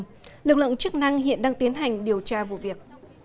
phía tỉnh lâm đồng lực lượng chức năng hiện đang tiến hành điều tra vụ việc